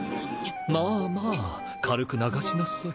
まあまあ軽く流しなさい。